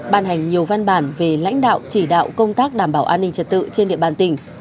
ban hành nhiều văn bản về lãnh đạo chỉ đạo công tác đảm bảo an ninh trật tự trên địa bàn tỉnh